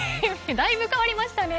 だいぶ変わりましたね。